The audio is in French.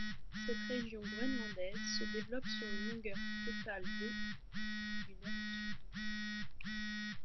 Cette région groenlandaise se développe sur une longueur totale de du nord au sud.